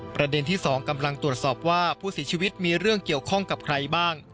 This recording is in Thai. ประเด็นที่๒กำลังตรวจสอบว่าผู้เสียชีวิตมีเรื่องเกี่ยวข้องกับใครบ้าง